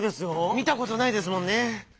みたことないですもんね。